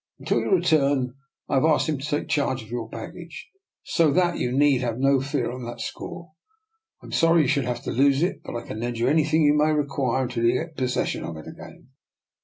Until we return I have asked him to take charge of your baggage, so that you need have no fear on that score. I am sorry you should have to lose it, but I can lend you anything you may require until you get possession of it again.